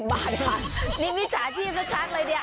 ๒๐บาทนี่มิจฉาชีพสักครั้งเลยเนี่ย